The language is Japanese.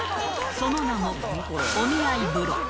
その名も、お見合い風呂。